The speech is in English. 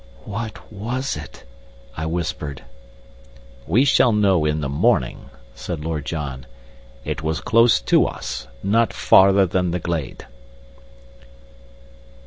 "What was it?" I whispered. "We shall know in the morning," said Lord John. "It was close to us not farther than the glade."